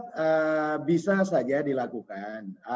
ya saya rasa bisa saja dilakukan